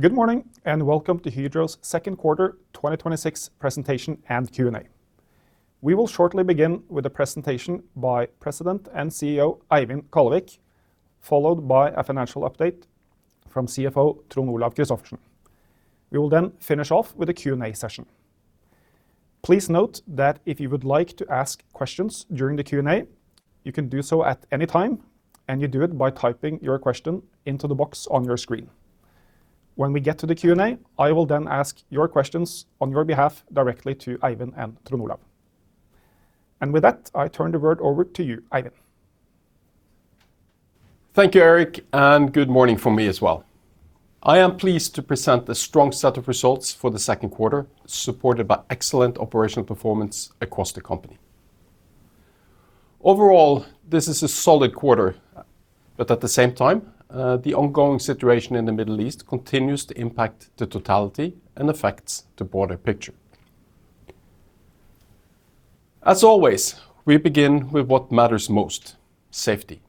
Good morning, welcome to Hydro's second quarter 2026 presentation and Q&A. We will shortly begin with a presentation by President and Chief Executive Officer, Eivind Kallevik, followed by a financial update from Chief Fianancial Officer Trond Olaf Christophersen. We will finish off with a Q&A session. Please note that if you would like to ask questions during the Q&A, you can do so at any time, you do it by typing your question into the box on your screen. When we get to the Q&A, I will ask your questions on your behalf directly to Eivind and Trond Olaf. With that, I turn the word over to you, Eivind. Thank you, Erik, good morning from me as well. I am pleased to present a strong set of results for the second quarter, supported by excellent operational performance across the company. Overall, this is a solid quarter. At the same time, the ongoing situation in the Middle East continues to impact the totality and affects the broader picture. As always, we begin with what matters most, safety.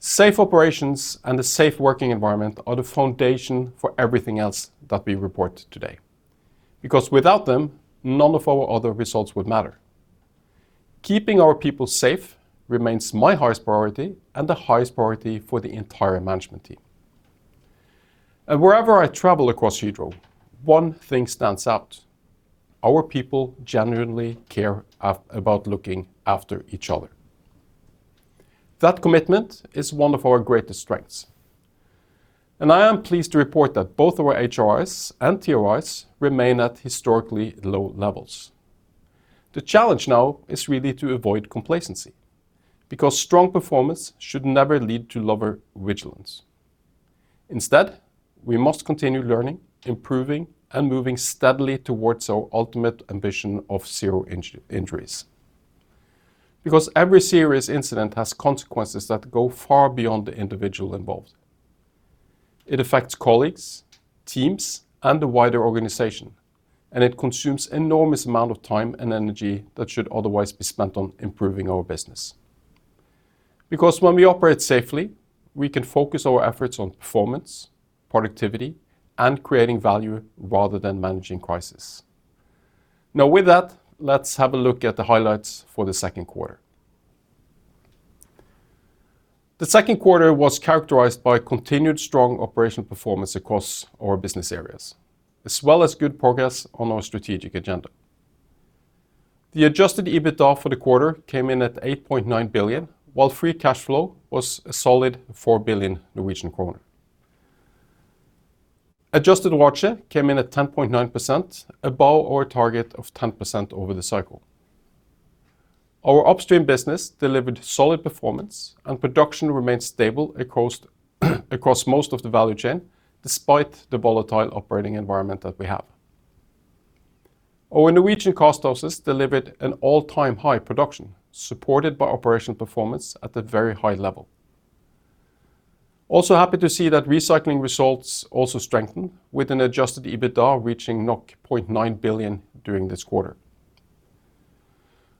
Safe operations and a safe working environment are the foundation for everything else that we report today. Without them, none of our other results would matter. Keeping our people safe remains my highest priority and the highest priority for the entire management team. Wherever I travel across Hydro, one thing stands out, our people genuinely care about looking after each other. That commitment is one of our greatest strengths. I am pleased to report that both our HRIs and TRIs remain at historically low levels. The challenge now is really to avoid complacency, strong performance should never lead to lower vigilance. Instead, we must continue learning, improving, and moving steadily towards our ultimate ambition of zero injuries. Every serious incident has consequences that go far beyond the individual involved. It affects colleagues, teams, and the wider organization, it consumes enormous amount of time and energy that should otherwise be spent on improving our business. When we operate safely, we can focus our efforts on performance, productivity, and creating value rather than managing crisis. With that, let's have a look at the highlights for the second quarter. The second quarter was characterized by continued strong operational performance across our business areas, as well as good progress on our strategic agenda. The adjusted EBITDA for the quarter came in at 8.9 billion, while free cash flow was a solid 4 billion Norwegian kroner. Adjusted RoaCE came in at 10.9%, above our target of 10% over the cycle. Our upstream business delivered solid performance, production remained stable across most of the value chain, despite the volatile operating environment that we have. Our Norwegian cast houses delivered an all-time high production, supported by operational performance at a very high level. Also happy to see that recycling results strengthened with an adjusted EBITDA reaching 0.9 billion during this quarter.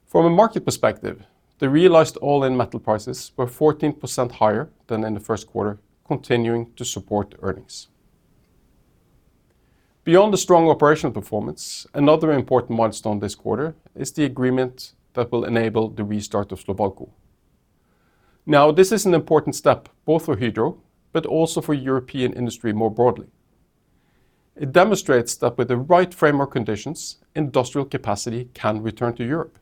From a market perspective, the realized all-in metal prices were 14% higher than in the first quarter, continuing to support earnings. Beyond the strong operational performance, another important milestone this quarter is the agreement that will enable the restart of Slovalco. Now, this is an important step both for Hydro, but also for European industry more broadly. It demonstrates that with the right framework conditions, industrial capacity can return to Europe.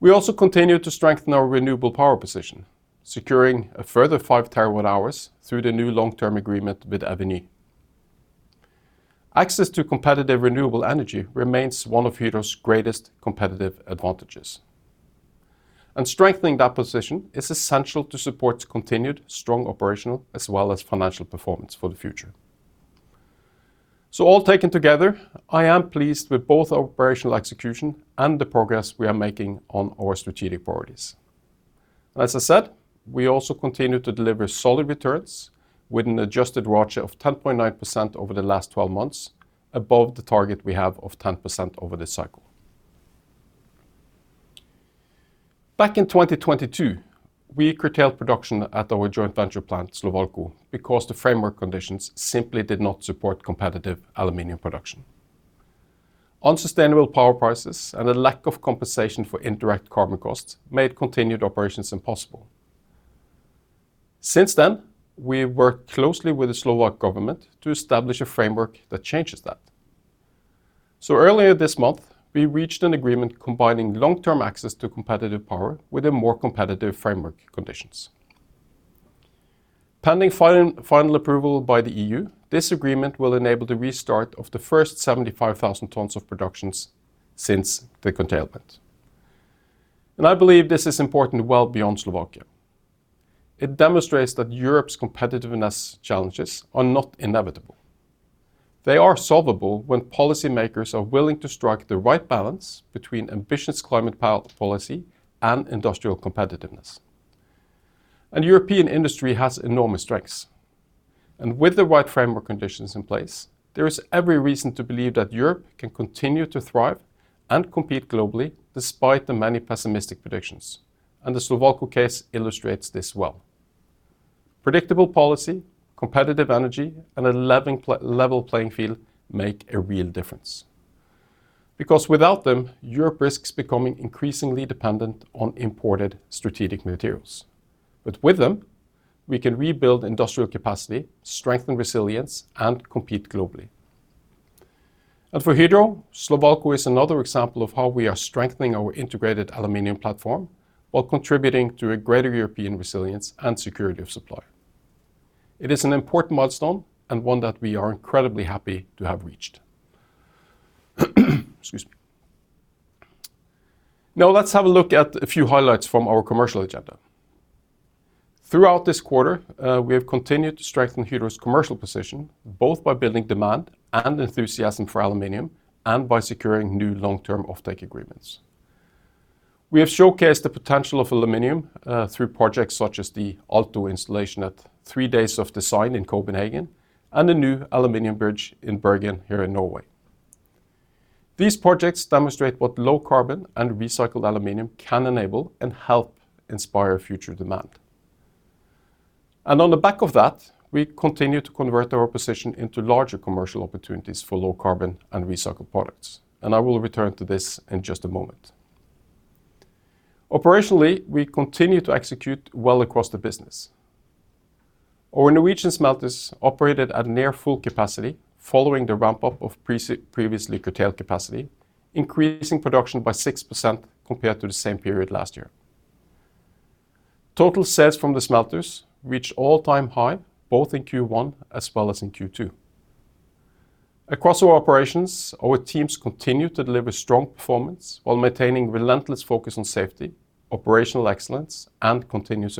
We also continue to strengthen our renewable power position, securing a further 5 TWh through the new long-term agreement with Eviny. Access to competitive renewable energy remains one of Hydro's greatest competitive advantages. Strengthening that position is essential to support continued strong operational as well as financial performance for the future. All taken together, I am pleased with both our operational execution and the progress we are making on our strategic priorities. As I said, we also continue to deliver solid returns with an adjusted RoaCE of 10.9% over the last 12 months above the target we have of 10% over this cycle. Back in 2022, we curtailed production at our joint venture plant, Slovalco, because the framework conditions simply did not support competitive Aluminium production. Unsustainable power prices and a lack of compensation for indirect carbon costs made continued operations impossible. Since then, we worked closely with the Slovak government to establish a framework that changes that. Earlier this month, we reached an agreement combining long-term access to competitive power with a more competitive framework conditions. Pending final approval by the EU, this agreement will enable the restart of the first 75,000 tons of productions since the curtailment. I believe this is important well beyond Slovakia. It demonstrates that Europe's competitiveness challenges are not inevitable. They are solvable when policy makers are willing to strike the right balance between ambitious climate policy and industrial competitiveness. European industry has enormous strengths. With the right framework conditions in place, there is every reason to believe that Europe can continue to thrive. Compete globally despite the many pessimistic predictions. The Slovalco case illustrates this well. Predictable policy, competitive energy, and a level playing field make a real difference. Because without them, Europe risks becoming increasingly dependent on imported strategic materials. With them, we can rebuild industrial capacity, strengthen resilience, and compete globally. For Hydro, Slovalco is another example of how we are strengthening our integrated Aluminium platform while contributing to a greater European resilience and security of supply. It is an important milestone and one that we are incredibly happy to have reached. Excuse me. Now let's have a look at a few highlights from our commercial agenda. Throughout this quarter, we have continued to strengthen Hydro's commercial position, both by building demand and enthusiasm for Aluminium and by securing new long-term offtake agreements. We have showcased the potential of Aluminium through projects such as the Alto installation at three days of design in Copenhagen and a new Aluminium bridge in Bergen here in Norway. These projects demonstrate what low carbon and recycled Aluminium can enable and help inspire future demand. On the back of that, we continue to convert our position into larger commercial opportunities for low carbon and recycled products, and I will return to this in just a moment. Operationally, we continue to execute well across the business. Our Norwegian smelters operated at near full capacity following the ramp-up of previously curtailed capacity, increasing production by 6% compared to the same period last year. Total sales from the smelters reached all-time high, both in Q1 as well as in Q2. Across our operations, our teams continue to deliver strong performance while maintaining relentless focus on safety, operational excellence, and continuous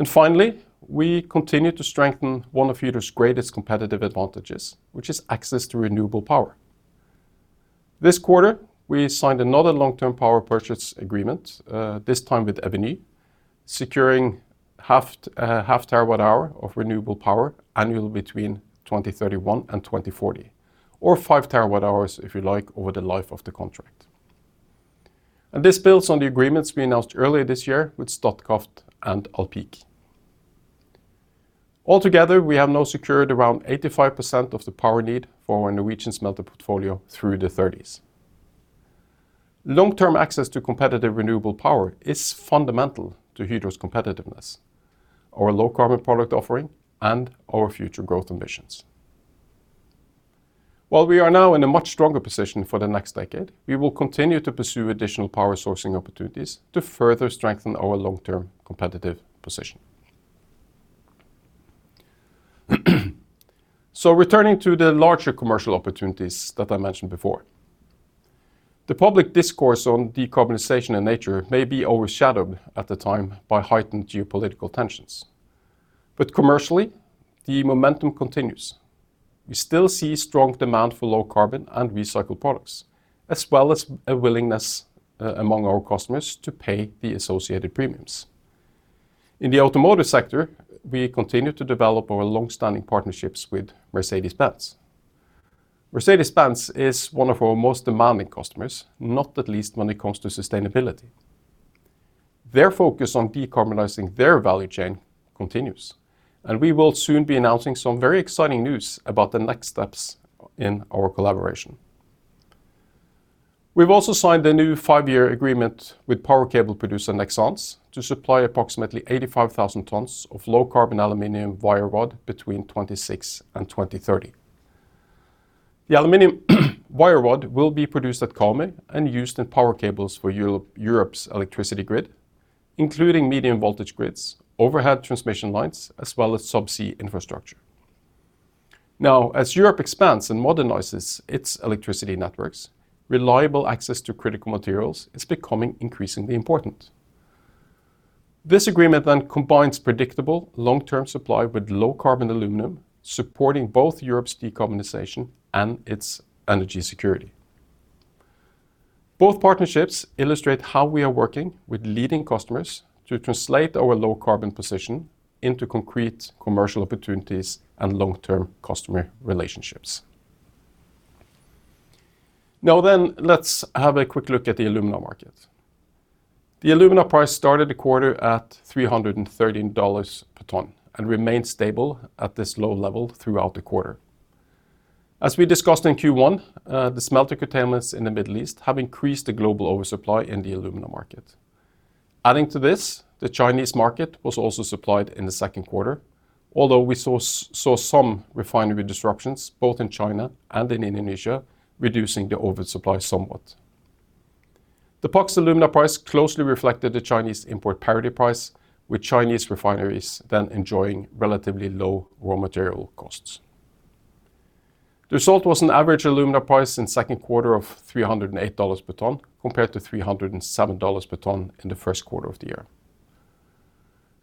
improvements. Finally, we continue to strengthen one of Hydro's greatest competitive advantages, which is access to renewable power. This quarter, we signed another long-term power purchase agreement, this time with Eviny, securing half terawatt hour of renewable power annual between 2031 and 2040, or 5 TWh, if you like, over the life of the contract. This builds on the agreements we announced earlier this year with Statkraft and Alpiq. Altogether, we have now secured around 85% of the power need for our Norwegian smelter portfolio through the 2030s. Long-term access to competitive renewable power is fundamental to Hydro's competitiveness, our low carbon product offering, and our future growth ambitions. While we are now in a much stronger position for the next decade, we will continue to pursue additional power sourcing opportunities to further strengthen our long-term competitive position. Returning to the larger commercial opportunities that I mentioned before. The public discourse on decarbonization and nature may be overshadowed at the time by heightened geopolitical tensions. Commercially, the momentum continues. We still see strong demand for low carbon and recycled products, as well as a willingness among our customers to pay the associated premiums. In the automotive sector, we continue to develop our longstanding partnerships with Mercedes-Benz. Mercedes-Benz is one of our most demanding customers, not at least when it comes to sustainability. Their focus on decarbonizing their value chain continues, we will soon be announcing some very exciting news about the next steps in our collaboration. We've also signed a new five-year agreement with power cable producer Nexans to supply approximately 85,000 tons of low carbon aluminium wire rod between 2026 and 2030. The aluminium wire rod will be produced at Karmøy and used in power cables for Europe's electricity grid, including medium voltage grids, overhead transmission lines, as well as sub-sea infrastructure. As Europe expands and modernizes its electricity networks, reliable access to critical materials is becoming increasingly important. This agreement combines predictable long-term supply with low carbon aluminium, supporting both Europe's decarbonization and its energy security. Both partnerships illustrate how we are working with leading customers to translate our low carbon position into concrete commercial opportunities and long-term customer relationships. Let's have a quick look at the alumina market. The alumina price started the quarter at $313 per ton and remained stable at this low level throughout the quarter. As we discussed in Q1, the smelter curtailments in the Middle East have increased the global oversupply in the alumina market. Adding to this, the Chinese market was also supplied in the second quarter, although we saw some refinery disruptions both in China and in Indonesia, reducing the oversupply somewhat. The PAX alumina price closely reflected the Chinese import parity price, with Chinese refineries enjoying relatively low raw material costs. The result was an average alumina price in second quarter of $308 per ton, compared to $307 per ton in the first quarter of the year.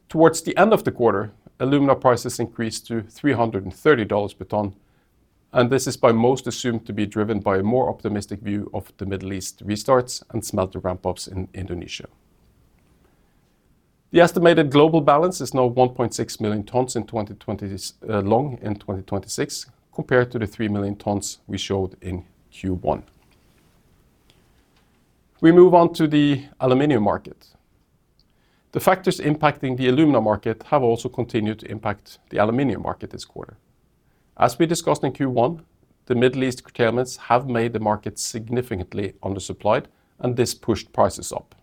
Towards the end of the quarter, alumina prices increased to $330 per ton, this is by most assumed to be driven by a more optimistic view of the Middle East restarts and smelter ramp-ups in Indonesia. The estimated global balance is now 1.6 million tons long in 2026, compared to the 3 million tons we showed in Q1. We move on to the Aluminium market. The factors impacting the Alumina market have also continued to impact the Aluminium market this quarter. As we discussed in Q1, the Middle East curtailments have made the market significantly undersupplied, and this pushed prices up.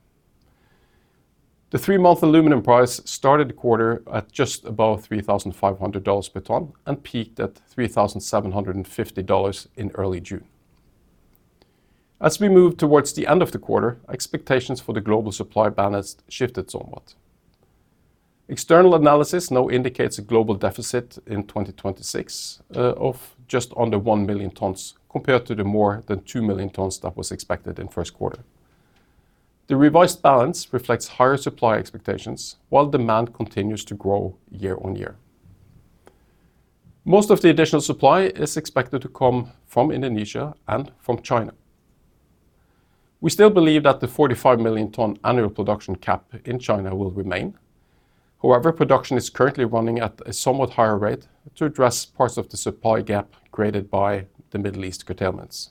The three-month Aluminium price started the quarter at just above $3,500 per ton and peaked at $3,750 in early June. As we move towards the end of the quarter, expectations for the global supply balance shifted somewhat. External analysis now indicates a global deficit in 2026 of just under 1 million tons compared to the more than 2 million tons that was expected in first quarter. The revised balance reflects higher supply expectations, while demand continues to grow year-on-year. Most of the additional supply is expected to come from Indonesia and from China. We still believe that the 45 million ton annual production cap in China will remain. However, production is currently running at a somewhat higher rate to address parts of the supply gap created by the Middle East curtailments.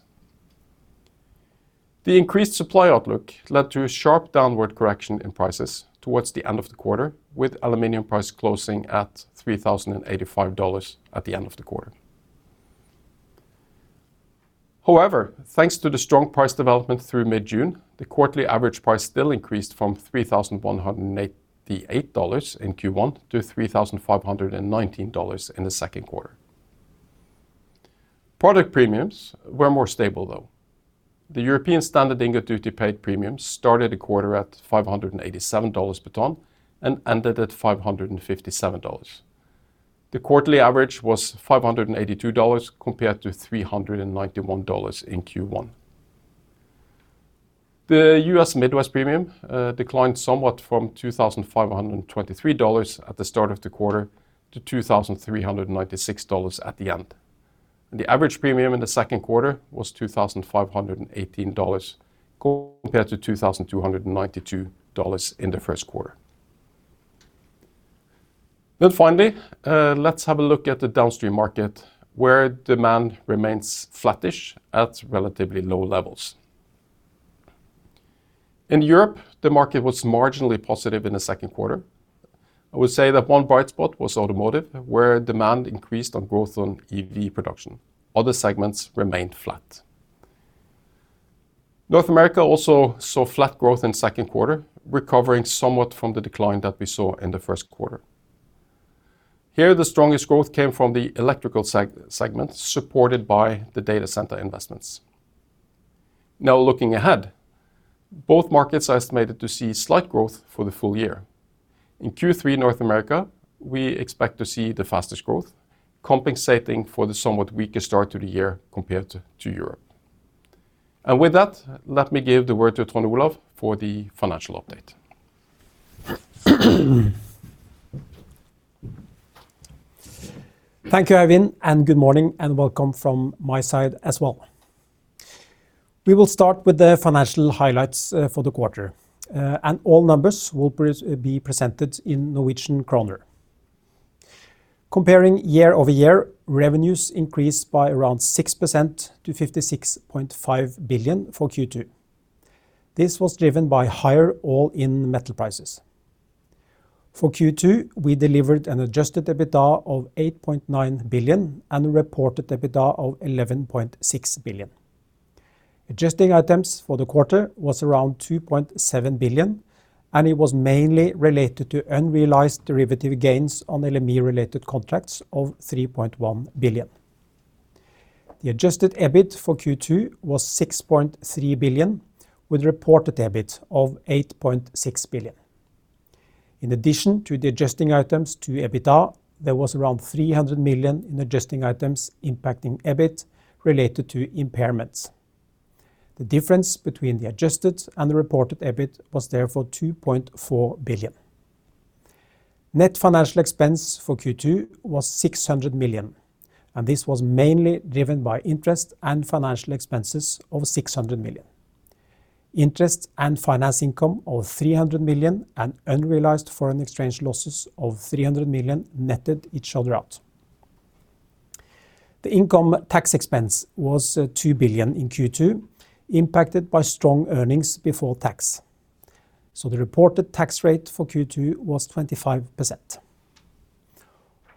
The increased supply outlook led to a sharp downward correction in prices towards the end of the quarter, with Aluminium price closing at $3,085 at the end of the quarter. However, thanks to the strong price development through mid-June, the quarterly average price still increased from $3,188 in Q1 to $3,519 in the second quarter. Product premiums were more stable, though. The European standard ingot duty paid premium started the quarter at $587 per ton and ended at $557. The quarterly average was $582 compared to $391 in Q1. The U.S. Midwest premium declined somewhat from $2,523 at the start of the quarter to $2,396 at the end, and the average premium in the second quarter was $2,518 compared to $2,292 in the first quarter. Finally, let's have a look at the downstream market, where demand remains flattish at relatively low levels. In Europe, the market was marginally positive in the second quarter. I would say that one bright spot was automotive, where demand increased on growth on EV production. Other segments remained flat. North America also saw flat growth in second quarter, recovering somewhat from the decline that we saw in the first quarter. Here, the strongest growth came from the electrical segment, supported by the data center investments. Looking ahead, both markets are estimated to see slight growth for the full year. In Q3 North America, we expect to see the fastest growth compensating for the somewhat weaker start to the year compared to Europe. With that, let me give the word to Trond Olaf for the financial update. Thank you, Eivind, good morning and welcome from my side as well. We will start with the financial highlights for the quarter, all numbers will be presented in Norwegian kroner. Comparing year-over-year, revenues increased by around 6% to 56.5 billion for Q2. This was driven by higher all-in metal prices. For Q2, we delivered an adjusted EBITDA of 8.9 billion and reported EBITDA of 11.6 billion. Adjusting items for the quarter was around 2.7 billion, it was mainly related to unrealized derivative gains on LME-related contracts of 3.1 billion. The adjusted EBIT for Q2 was 6.3 billion, with reported EBIT of 8.6 billion. In addition to the adjusting items to EBITDA, there was around 300 million in adjusting items impacting EBIT related to impairments. The difference between the adjusted and the reported EBIT was therefore 2.4 billion. Net financial expense for Q2 was 600 million, this was mainly driven by interest and financial expenses of 600 million. Interest and finance income of 300 million unrealized foreign exchange losses of 300 million netted each other out. The income tax expense was 2 billion in Q2, impacted by strong earnings before tax, the reported tax rate for Q2 was 25%.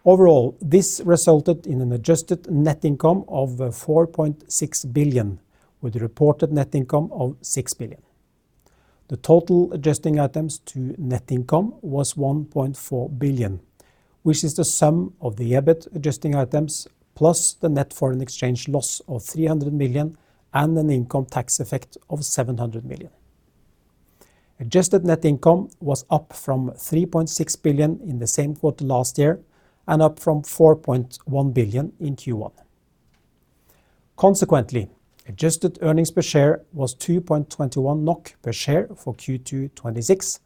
Overall, this resulted in an adjusted net income of 4.6 billion, with reported net income of 6 billion. The total adjusting items to net income was 1.4 billion, which is the sum of the EBIT adjusting items plus the net foreign exchange loss of 300 million an income tax effect of 700 million. Adjusted net income was up from 3.6 billion in the same quarter last year up from 4.1 billion in Q1. Consequently, adjusted earnings per share was 2.21 NOK per share for Q2 2026,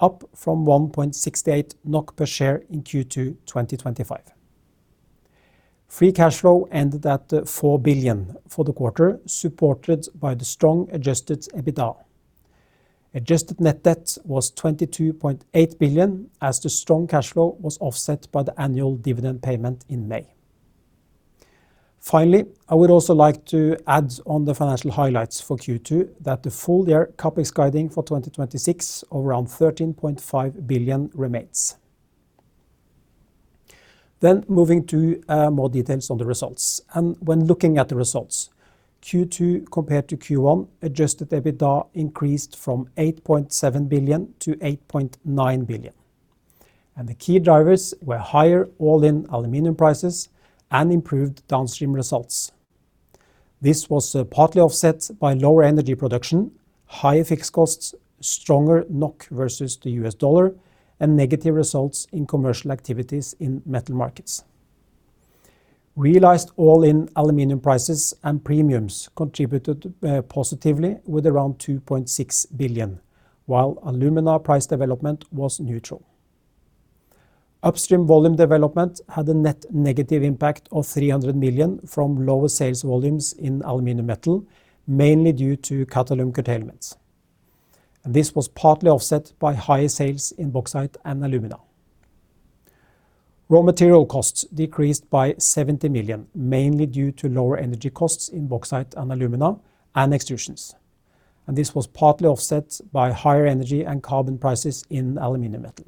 up from 1.68 NOK per share in Q2 2025. Free cash flow ended at 4 billion for the quarter, supported by the strong adjusted EBITDA. Adjusted net debt was 22.8 billion, as the strong cash flow was offset by the annual dividend payment in May. Finally, I would also like to add on the financial highlights for Q2 that the full year CapEx guiding for 2026 of around 13.5 billion remains. Moving to more details on the results. When looking at the results, Q2 compared to Q1, adjusted EBITDA increased from 8.7 billion to 8.9 billion, the key drivers were higher all-in aluminium prices and improved downstream results. This was partly offset by lower energy production, higher fixed costs, stronger NOK versus the US dollar, negative results in commercial activities in Metal Markets. Realized all-in aluminium prices and premiums contributed positively with around 2.6 billion, while alumina price development was neutral. Upstream volume development had a net negative impact of 300 million from lower sales volumes in Aluminium Metal, mainly due to Qatalum curtailments. This was partly offset by higher sales in bauxite and alumina. Raw material costs decreased by 70 million, mainly due to lower energy costs in bauxite and alumina and extrusions. This was partly offset by higher energy and carbon prices in Aluminium Metal.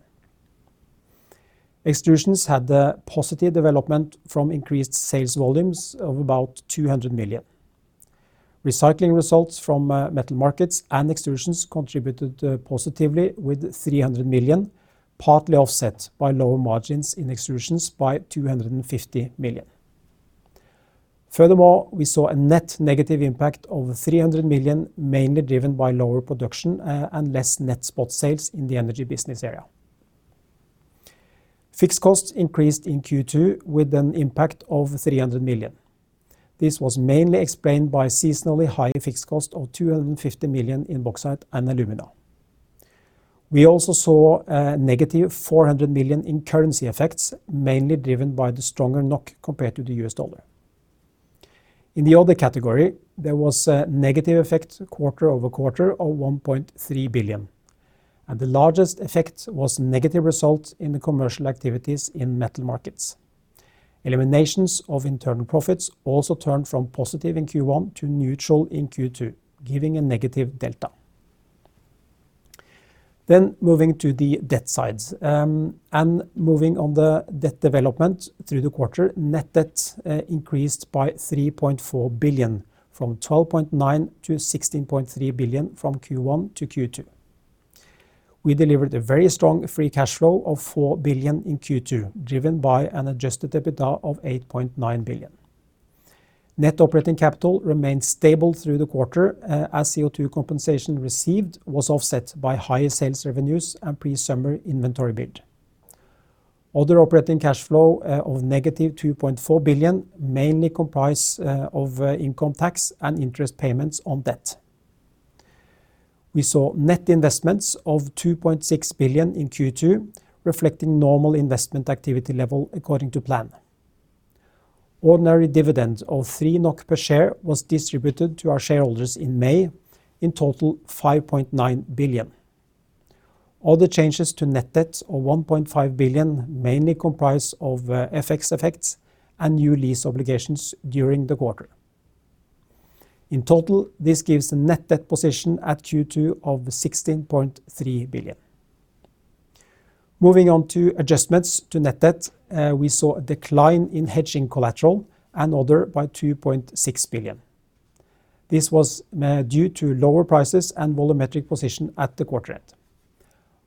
Extrusions had the positive development from increased sales volumes of about 200 million. Recycling results from Metal Markets and Extrusions contributed positively with 300 million, partly offset by lower margins in Extrusions by 250 million. We saw a net negative impact of 300 million, mainly driven by lower production and less net spot sales in the Energy business area. Fixed costs increased in Q2 with an impact of 300 million. This was mainly explained by seasonally higher fixed cost of 250 million in Bauxite & Alumina. We also saw a -400 million in currency effects, mainly driven by the stronger NOK compared to the U.S dollar. In the other category, there was a negative effect quarter-over-quarter of 1.3 billion, and the largest effect was negative result in the commercial activities in Metal Markets. Eliminations of internal profits also turned from positive in Q1 to neutral in Q2, giving a negative delta. Moving to the debt sides. Moving on the debt development through the quarter, net debt increased by 3.4 billion from 12.9 billion to 16.3 billion from Q1 to Q2. We delivered a very strong free cash flow of 4 billion in Q2, driven by an adjusted EBITDA of 8.9 billion. Net operating capital remained stable through the quarter, as CO2 compensation received was offset by higher sales revenues and pre-summer inventory build. Other operating cash flow of negative 2.4 billion mainly comprise of income tax and interest payments on debt. We saw net investments of 2.6 billion in Q2, reflecting normal investment activity level according to plan. Ordinary dividend of 3 NOK per share was distributed to our shareholders in May, in total, 5.9 billion. Other changes to net debt of 1.5 billion mainly comprise of FX effects and new lease obligations during the quarter. In total, this gives a net debt position at Q2 of 16.3 billion. Moving on to adjustments to net debt. We saw a decline in hedging collateral and other by 2.6 billion. This was due to lower prices and volumetric position at the quarter end.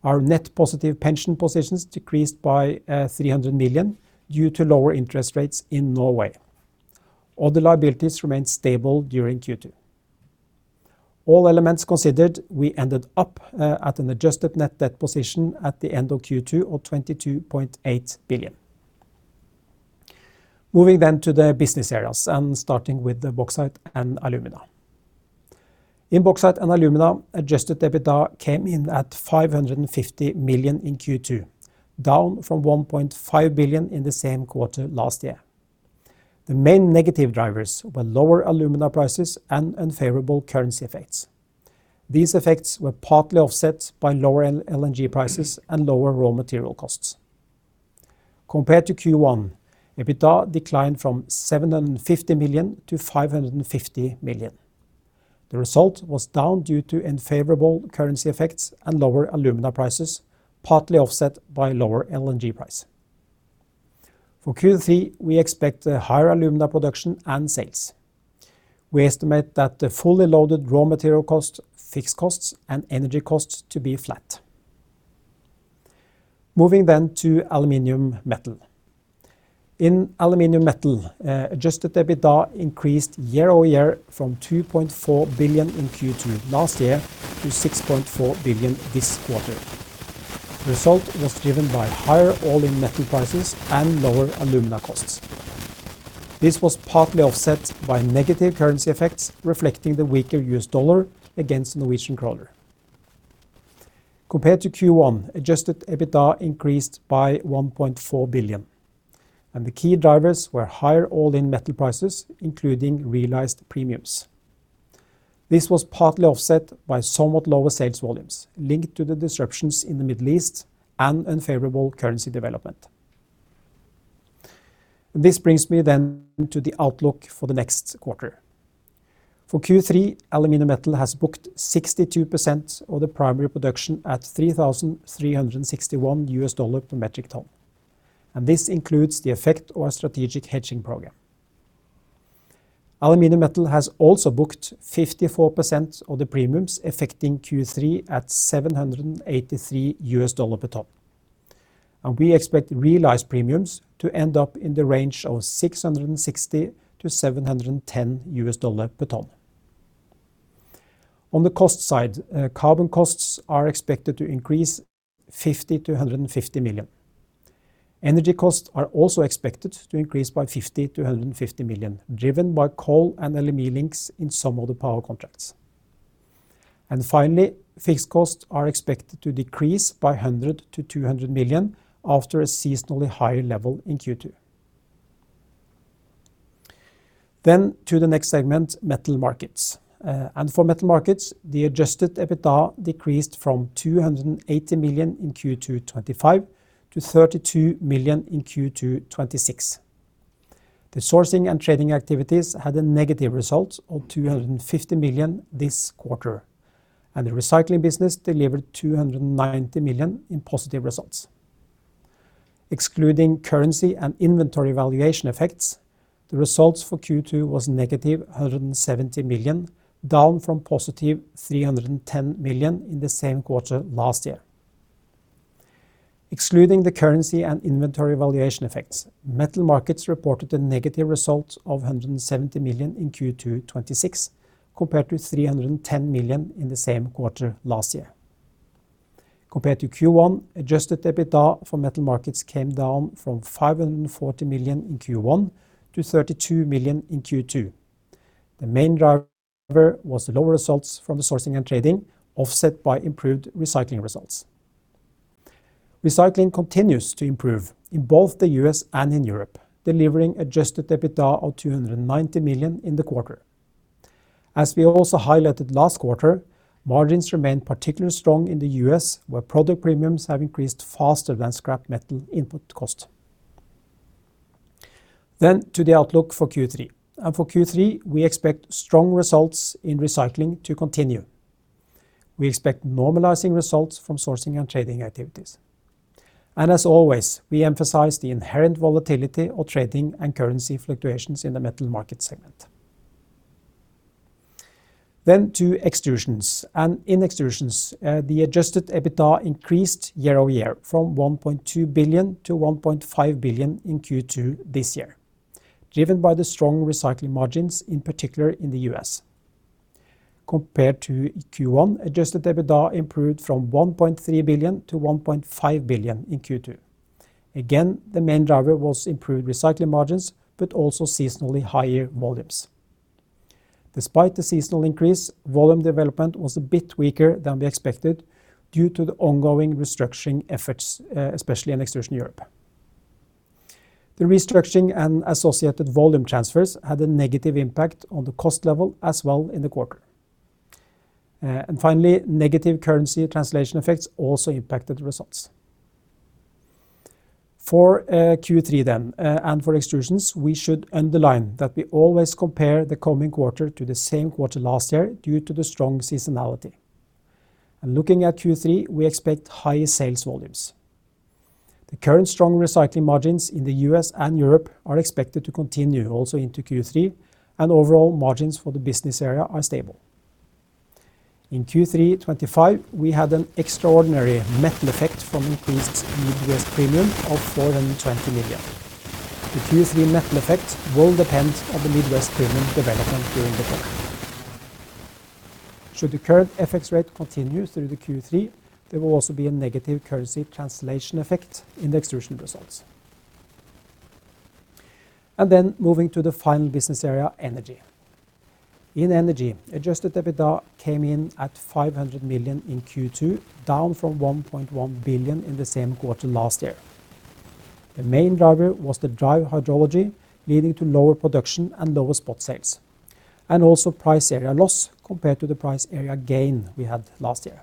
Our net positive pension positions decreased by 300 million due to lower interest rates in Norway. Other liabilities remained stable during Q2. All elements considered, we ended up at an adjusted net debt position at the end of Q2 of 22.8 billion. Moving to the business areas and starting with the Bauxite & Alumina. In Bauxite & Alumina, adjusted EBITDA came in at 550 million in Q2, down from 1.5 billion in the same quarter last year. The main negative drivers were lower alumina prices and unfavorable currency effects. These effects were partly offset by lower LNG prices and lower raw material costs. Compared to Q1, EBITDA declined from 750 million-550 million. The result was down due to unfavorable currency effects and lower alumina prices, partly offset by lower LNG price. For Q3, we expect higher alumina production and sales. We estimate that the fully loaded raw material cost, fixed costs, and energy costs to be flat. Moving to Hydro Aluminium Metal. In Hydro Aluminium Metal, adjusted EBITDA increased year-over-year from 2.4 billion in Q2 last year to 6.4 billion this quarter. The result was driven by higher all-in metal prices and lower alumina costs. This was partly offset by negative currency effects reflecting the weaker U.S dollar against Norwegian kroner. Compared to Q1, adjusted EBITDA increased by 1.4 billion, and the key drivers were higher all-in metal prices, including realized premiums. This was partly offset by somewhat lower sales volumes linked to the disruptions in the Middle East and unfavorable currency development. This brings me to the outlook for the next quarter. For Q3, Aluminium Metal has booked 62% of the primary production at $3,361 per metric ton. This includes the effect of our strategic hedging program. Aluminium Metal has also booked 54% of the premiums affecting Q3 at $783 per ton, and we expect realized premiums to end up in the range of $660 per ton-$710 per ton. On the cost side, carbon costs are expected to increase 50 million-150 million. Energy costs are also expected to increase by 50 million-150 million, driven by coal and LME links in some of the power contracts. Finally, fixed costs are expected to decrease by 100 million-200 million after a seasonally higher level in Q2. To the next segment, Metal Markets. For Metal Markets, the adjusted EBITDA decreased from 280 million in Q2 2025 to 32 million in Q2 2026. The sourcing and trading activities had a negative result of 250 million this quarter, and the recycling business delivered 290 million in positive results. Excluding currency and inventory valuation effects, the results for Q2 was -170 million, down from +310 million in the same quarter last year. Excluding the currency and inventory valuation effects, Metal Markets reported a negative result of 170 million in Q2 2026, compared to 310 million in the same quarter last year. Compared to Q1, adjusted EBITDA for Metal Markets came down from 540 million in Q1 to 32 million in Q2. The main driver was the lower results from the sourcing and trading, offset by improved recycling results. Recycling continues to improve in both the U.S. and in Europe, delivering adjusted EBITDA of 290 million in the quarter. As we also highlighted last quarter, margins remained particularly strong in the U.S., where product premiums have increased faster than scrap metal input cost. To the outlook for Q3. For Q3, we expect strong results in recycling to continue. We expect normalizing results from sourcing and trading activities, and as always, we emphasize the inherent volatility of trading and currency fluctuations in the Metal Markets segment. To Extrusions. In Extrusions, the adjusted EBITDA increased year-over-year from 1.2 billion-1.5 billion in Q2 this year, driven by the strong recycling margins, in particular in the U.S. Compared to Q1, adjusted EBITDA improved from 1.3 billion-1.5 billion in Q2. The main driver was improved recycling margins, but also seasonally higher volumes. Despite the seasonal increase, volume development was a bit weaker than we expected due to the ongoing restructuring efforts, especially in Extrusion Europe. The restructuring and associated volume transfers had a negative impact on the cost level as well in the quarter. Finally, negative currency translation effects also impacted the results. For Q3 then, for Extrusions, we should underline that we always compare the coming quarter to the same quarter last year due to the strong seasonality. Looking at Q3, we expect higher sales volumes. The current strong recycling margins in the U.S. and Europe are expected to continue also into Q3, and overall margins for the business area are stable. In Q3 2025, we had an extraordinary metal effect from increased Midwest premium of 420 million. The Q3 metal effect will depend on the Midwest premium development during the quarter. Should the current FX rate continue through the Q3, there will also be a negative currency translation effect in the Extrusion results. Moving to the final business area, Energy. In Energy, adjusted EBITDA came in at 500 million in Q2, down from 1.1 billion in the same quarter last year. The main driver was the dry hydrology, leading to lower production and lower spot sales, and also price area loss compared to the price area gain we had last year.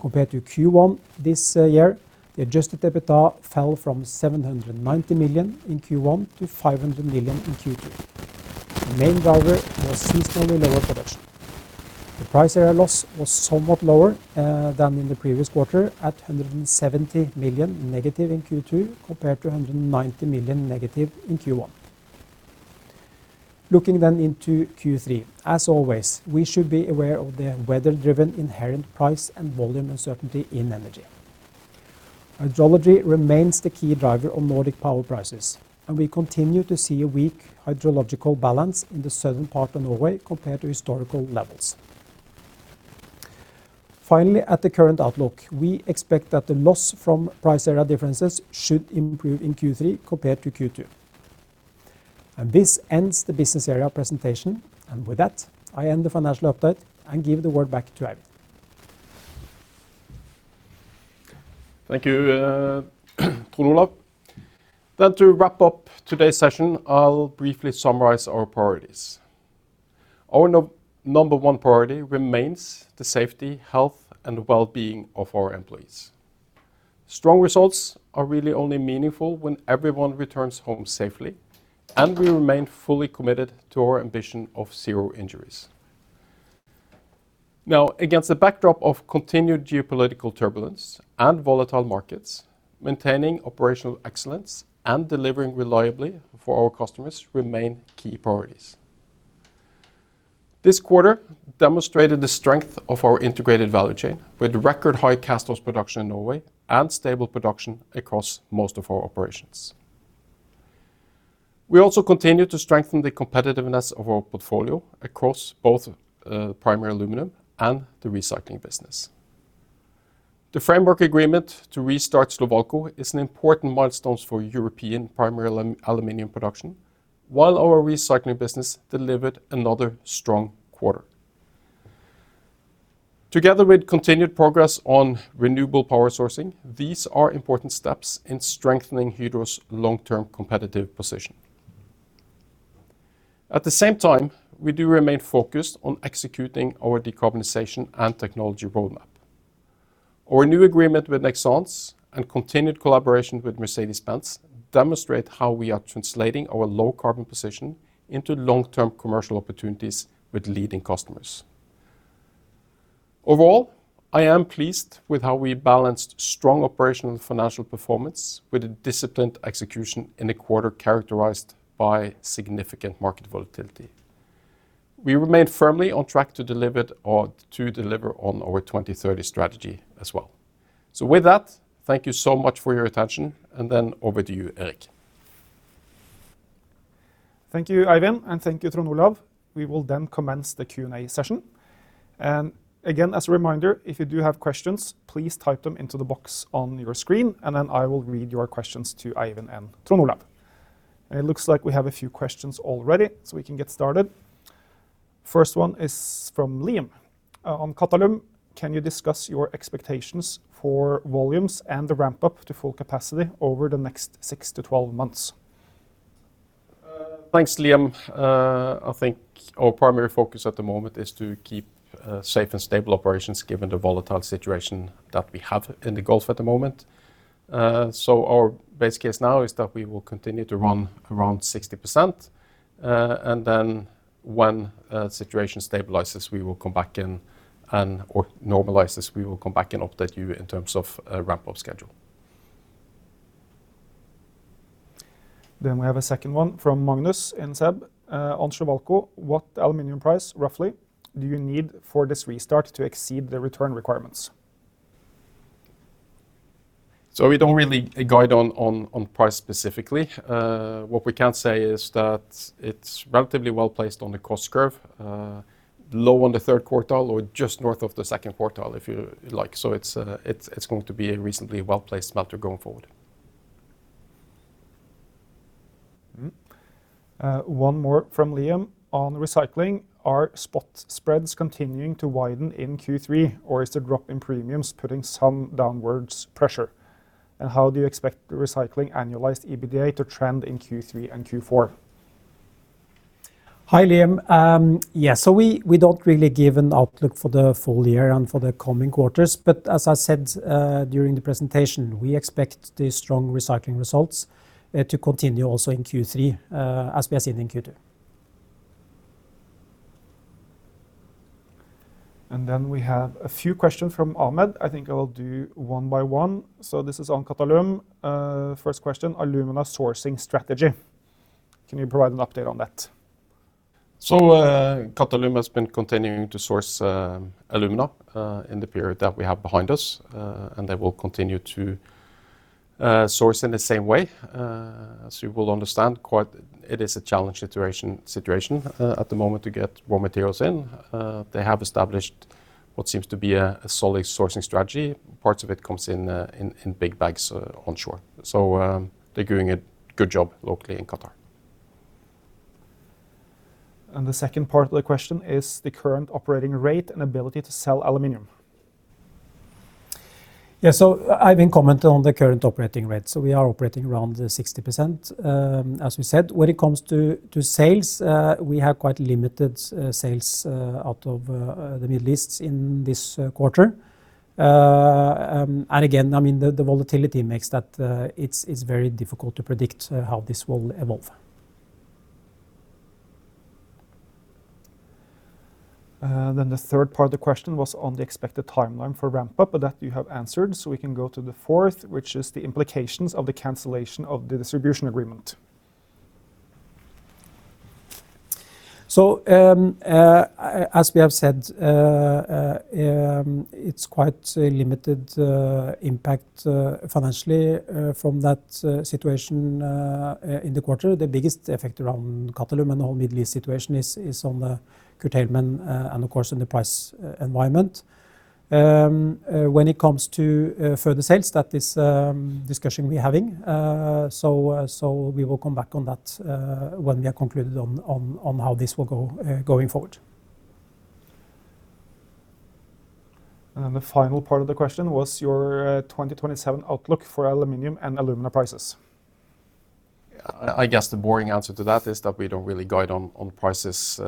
Compared to Q1 this year, the adjusted EBITDA fell from 790 million in Q1 to 500 million in Q2. The main driver was seasonally lower production. The price area loss was somewhat lower than in the previous quarter at 170 million negative in Q2, compared to 190 million negative in Q1. Looking into Q3, as always, we should be aware of the weather-driven inherent price and volume uncertainty in Energy. Hydrology remains the key driver of Nordic power prices, and we continue to see a weak hydrological balance in the southern part of Norway compared to historical levels. Finally, at the current outlook, we expect that the loss from price area differences should improve in Q3 compared to Q2. This ends the business area presentation. With that, I end the financial update and give the word back to Eivind. Thank you, Trond Olaf. To wrap up today's session, I will briefly summarize our priorities. Our number one priority remains the safety, health, and wellbeing of our employees. Strong results are really only meaningful when everyone returns home safely, and we remain fully committed to our ambition of zero injuries. Against the backdrop of continued geopolitical turbulence and volatile markets, maintaining operational excellence and delivering reliably for our customers remain key priorities. This quarter demonstrated the strength of our integrated value chain with record high cast production in Norway and stable production across most of our operations. We also continue to strengthen the competitiveness of our portfolio across both primary Aluminium and the recycling business. The framework agreement to restart Slovalco is an important milestone for European primary Aluminium production, while our recycling business delivered another strong quarter. Together with continued progress on renewable power sourcing, these are important steps in strengthening Hydro's long-term competitive position. At the same time, we do remain focused on executing our decarbonization and technology roadmap. Our new agreement with Nexans and continued collaboration with Mercedes-Benz demonstrate how we are translating our low carbon position into long-term commercial opportunities with leading customers. Overall, I am pleased with how we balanced strong operational and financial performance with a disciplined execution in a quarter characterized by significant market volatility. We remain firmly on track to deliver on our 2030 strategy as well. With that, thank you so much for your attention, over to you, Erik. Thank you, Eivind, and thank you, Trond Olaf. We will then commence the Q&A session. Again, as a reminder, if you do have questions, please type them into the box on your screen, then I will read your questions to Eivind and Trond Olaf. It looks like we have a few questions already, so we can get started. First one is from Liam. On Qatalum, can you discuss your expectations for volumes and the ramp-up to full capacity over the next 6 to 12 months? Thanks, Liam. I think our primary focus at the moment is to keep safe and stable operations given the volatile situation that we have in the Gulf at the moment. Our base case now is that we will continue to run around 60%, then when the situation stabilizes or normalizes, we will come back and update you in terms of a ramp-up schedule. We have a second one from Magnus in SEB. On Slovalco, what aluminium price, roughly, do you need for this restart to exceed the return requirements? We don't really guide on price specifically. What we can say is that it's relatively well-placed on the cost curve, low on the third quartile or just north of the second quartile, if you like. It's going to be a reasonably well-placed smelter going forward. One more from Liam. On recycling, are spot spreads continuing to widen in Q3, or is the drop in premiums putting some downwards pressure? How do you expect the recycling annualized EBITDA to trend in Q3 and Q4? Hi, Liam. We don't really give an outlook for the full year and for the coming quarters, but as I said during the presentation, we expect the strong recycling results to continue also in Q3, as we have seen in Q2. We have a few questions from Ahmed. I think I will do one by one. This is on Qatalum. First question, alumina sourcing strategy. Can you provide an update on that? Qatalum has been continuing to source alumina in the period that we have behind us, and they will continue to source in the same way. As you will understand, it is a challenge situation at the moment to get raw materials in. They have established what seems to be a solid sourcing strategy. Parts of it comes in big bags onshore. They're doing a good job locally in Qatar. The second part of the question is the current operating rate and ability to sell Aluminium. Yeah. Eivind commented on the current operating rate. We are operating around 60%. As we said, when it comes to sales, we have quite limited sales out of the Middle East in this quarter. Again, the volatility makes that it's very difficult to predict how this will evolve. The third part of the question was on the expected timeline for ramp-up, that you have answered, we can go to the fourth, which is the implications of the cancellation of the distribution agreement. As we have said, it's quite a limited impact financially from that situation in the quarter. The biggest effect around Qatalum and the whole Middle East situation is on the curtailment and, of course, on the price environment. When it comes to further sales, that is a discussion we're having. We will come back on that when we have concluded on how this will go going forward. The final part of the question was your 2027 outlook for aluminium and alumina prices. I guess the boring answer to that is that we don't really guide on prices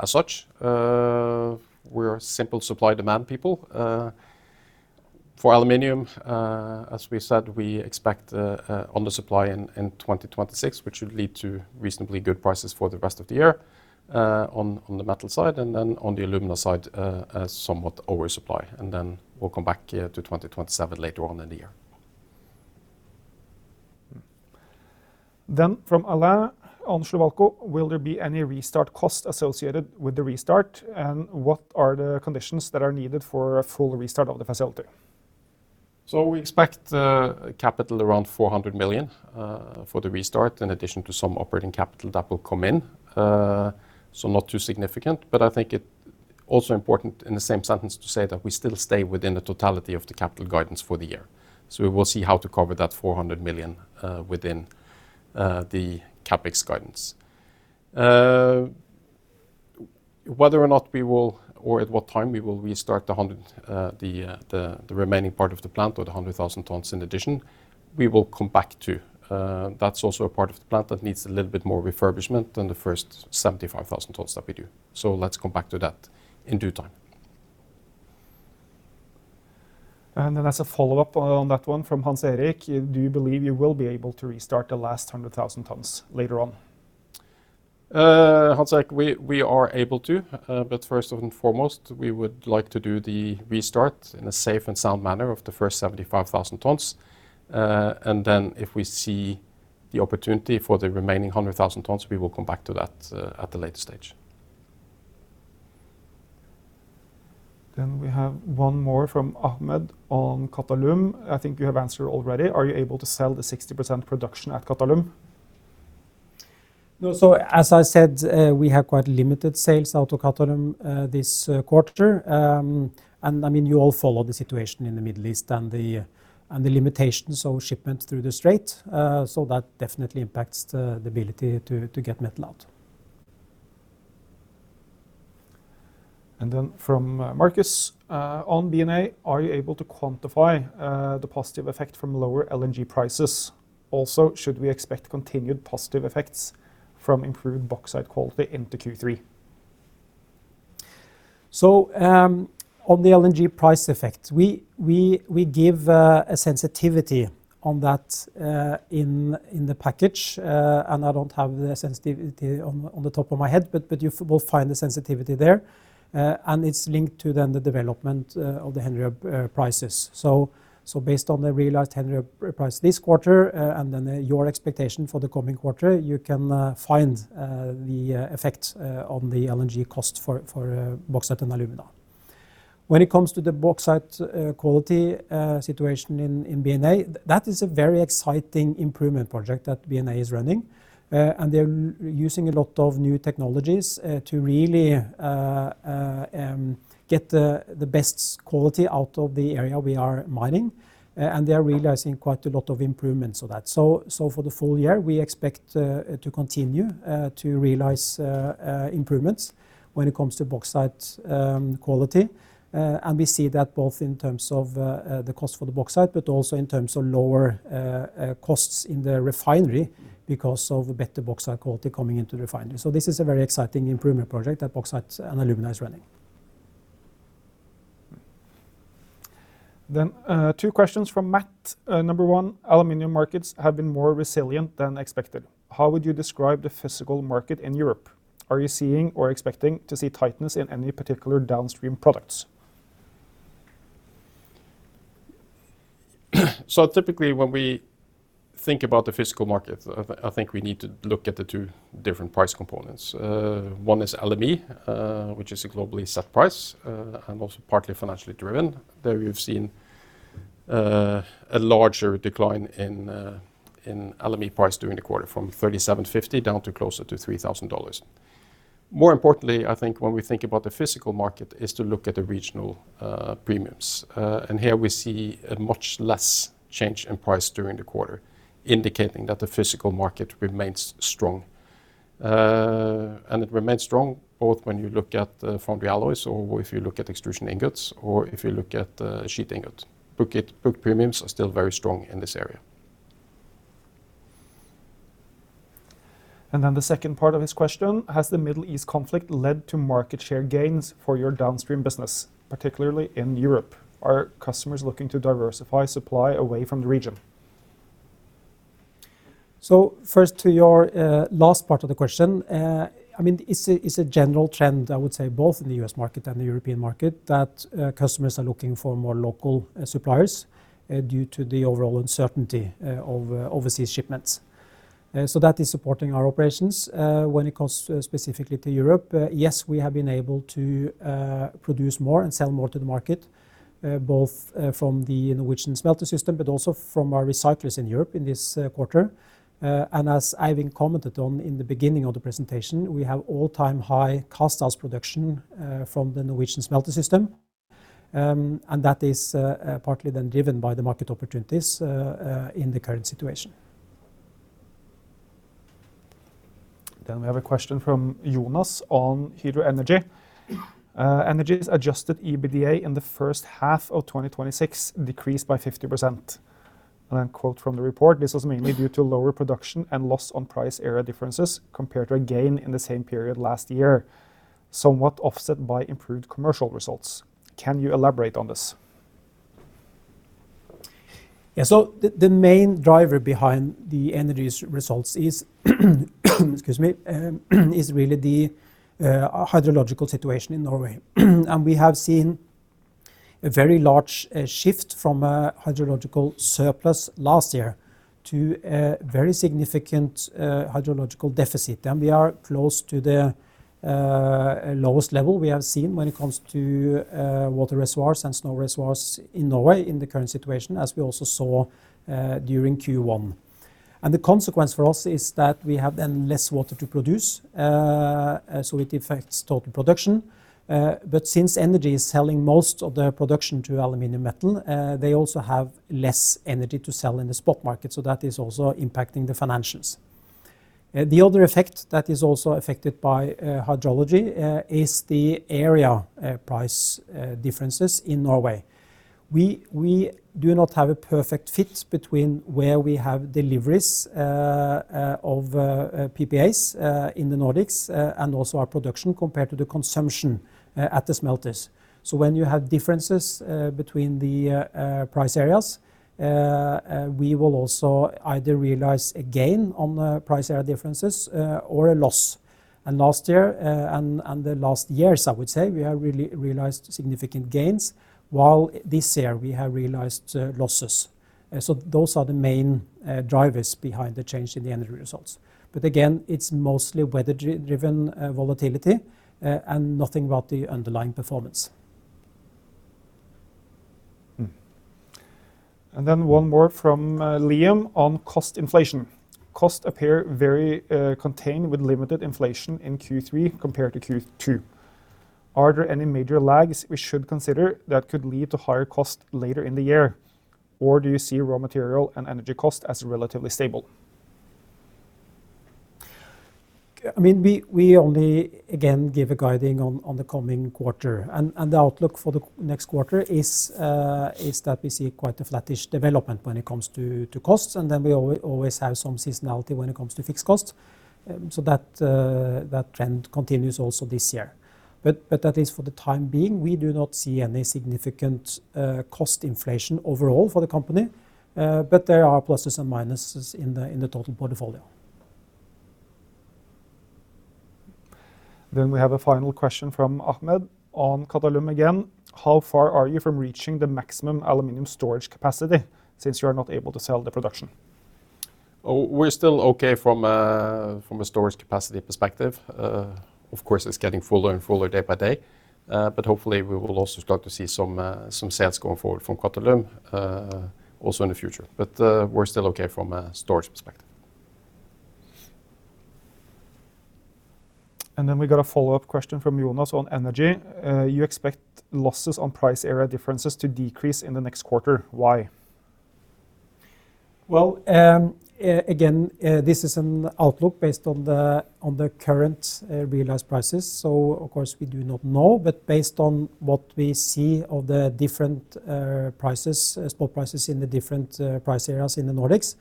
as such. We're simple supply-demand people. For aluminium, as we said, we expect under-supply in 2026, which should lead to reasonably good prices for the rest of the year on the metal side. On the alumina side, a somewhat over-supply. We'll come back to 2027 later on in the year. From Alain on Slovalco, will there be any restart costs associated with the restart, and what are the conditions that are needed for a full restart of the facility? We expect capital around 400 million for the restart, in addition to some operating capital that will come in. Not too significant, but I think it also important in the same sentence to say that we still stay within the totality of the capital guidance for the year. We will see how to cover that 400 million within the CapEx guidance. Whether or not we will, or at what time we will restart the remaining part of the plant or the 100,000 tons in addition, we will come back to. That's also a part of the plant that needs a little bit more refurbishment than the first 75,000 tons that we do. Let's come back to that in due time. As a follow-up on that one from Hans-Erik, do you believe you will be able to restart the last 100,000 tons later on? Hans-Erik, we are able to, but first and foremost, we would like to do the restart in a safe and sound manner of the first 75,000 tons. If we see the opportunity for the remaining 100,000 tons, we will come back to that at the later stage. We have one more from Ahmed on Qatalum. I think you have answered already. Are you able to sell the 60% production at Qatalum? No. As I said, we have quite limited sales out of Qatalum this quarter. You all follow the situation in the Middle East and the limitations of shipment through the Strait. That definitely impacts the ability to get metal out. Marcus on BNA, are you able to quantify the positive effect from lower LNG prices? Also, should we expect continued positive effects from improved bauxite quality into Q3? On the LNG price effect, we give a sensitivity on that in the package. I don't have the sensitivity on the top of my head, but you will find the sensitivity there. It's linked to then the development of the Henry Hub prices. Based on the realized Henry Hub price this quarter, then your expectation for the coming quarter, you can find the effect on the LNG cost for bauxite and alumina. When it comes to the bauxite quality situation in BNA, that is a very exciting improvement project that BNA is running. They're using a lot of new technologies to really get the best quality out of the area we are mining. They are realizing quite a lot of improvements of that. For the full year, we expect to continue to realize improvements when it comes to bauxite quality. We see that both in terms of the cost for the bauxite, but also in terms of lower costs in the refinery because of better bauxite quality coming into the refinery. This is a very exciting improvement project that Bauxite and Alumina is running. Two questions from Matt, number one, aluminium markets have been more resilient than expected. How would you describe the physical market in Europe? Are you seeing or expecting to see tightness in any particular downstream products? When we think about the physical market, I think we need to look at the two different price components. One is LME, which is a globally set price and also partly financially driven. There we've seen a larger decline in LME price during the quarter, from $3,750 down to closer to $3,000. More importantly, I think when we think about the physical market is to look at the regional premiums. Here we see a much less change in price during the quarter, indicating that the physical market remains strong. It remains strong both when you look at the foundry alloys or if you look at extrusion ingots or if you look at sheet ingot. Billet premiums are still very strong in this area. Then the second part of his question: Has the Middle East conflict led to market share gains for your downstream business, particularly in Europe? Are customers looking to diversify supply away from the region? First to your last part of the question. It's a general trend, I would say, both in the U.S. market and the European market, that customers are looking for more local suppliers due to the overall uncertainty of overseas shipments. That is supporting our operations. When it comes specifically to Europe, yes, we have been able to produce more and sell more to the market, both from the Norwegian smelter system, but also from our recyclers in Europe in this quarter. As Eivind commented on in the beginning of the presentation, we have all-time high cast house production from the Norwegian smelter system. That is partly then driven by the market opportunities in the current situation. We have a question from Jonas on Hydro Energy. Energy's adjusted EBITDA in the first half of 2026 decreased by 50%. I quote from the report, "This was mainly due to lower production and loss on price area differences compared to a gain in the same period last year, somewhat offset by improved commercial results." Can you elaborate on this? Yeah. The main driver behind the Energy's results is, excuse me, is really the hydrological situation in Norway. We have seen a very large shift from a hydrological surplus last year to a very significant hydrological deficit. We are close to the lowest level we have seen when it comes to water reservoirs and snow reservoirs in Norway in the current situation, as we also saw, during Q1. The consequence for us is that we have then less water to produce, so it affects total production. Since Energy is selling most of their production to aluminium metal, they also have less energy to sell in the spot market. That is also impacting the financials. The other effect that is also affected by hydrology, is the area price differences in Norway. We do not have a perfect fit between where we have deliveries of PPAs in the Nordics, and also our production compared to the consumption at the smelters. When you have differences between the price areas, we will also either realize a gain on the price area differences or a loss. Last year, and the last years, I would say, we have realized significant gains, while this year we have realized losses. Those are the main drivers behind the change in the Energy results. Again, it's mostly weather-driven volatility, and nothing about the underlying performance. One more from Liam on cost inflation. Costs appear very contained with limited inflation in Q3 compared to Q2. Are there any major lags we should consider that could lead to higher cost later in the year, or do you see raw material and energy cost as relatively stable? We only again, give a guiding on the coming quarter, the outlook for the next quarter is that we see quite a flattish development when it comes to costs. We always have some seasonality when it comes to fixed costs. That is for the time being. We do not see any significant cost inflation overall for the company. There are pluses and minuses in the total portfolio. We have a final question from Ahmed on Qatalum again. How far are you from reaching the maximum aluminium storage capacity since you are not able to sell the production? We're still okay from a storage capacity perspective. Of course, it's getting fuller and fuller day by day. Hopefully we will also start to see some sales going forward from Qatalum, also in the future. We're still okay from a storage perspective. We got a follow-up question from Jonas on Energy. You expect losses on price area differences to decrease in the next quarter. Why? Well, again, this is an outlook based on the current realized prices. Of course, we do not know, but based on what we see of the different spot prices in the different price areas in the Nordics,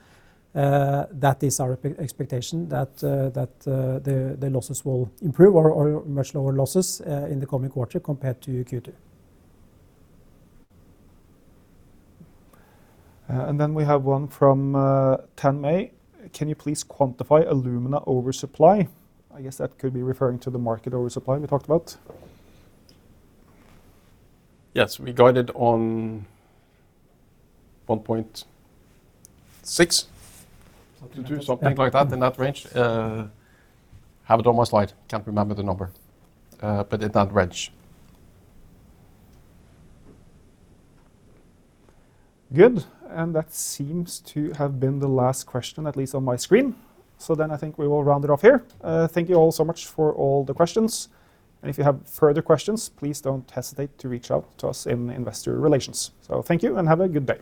that is our expectation that the losses will improve or much lower losses, in the coming quarter compared to Q2. We have one from Tan May. Can you please quantify alumina oversupply? I guess that could be referring to the market oversupply we talked about. Yes. We guided on 1.6 or something like that, in that range. Have it on my slide. Can't remember the number. In that range. Good. That seems to have been the last question, at least on my screen. I think we will round it off here. Thank you all so much for all the questions. If you have further questions, please don't hesitate to reach out to us in investor relations. Thank you and have a good day.